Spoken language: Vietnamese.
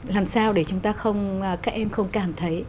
làm sao để chúng ta không các em không cảm thấy